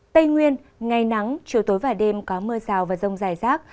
tây nguyên ngày nắng chiều tối và đêm có mưa rào và rông dài rác